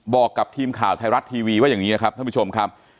บอกกับทีมข่าวไทยรัฐทีวีว่าอย่างนี้ครับท่านผู้ชมครับ